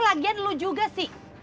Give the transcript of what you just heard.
lagian lo juga sih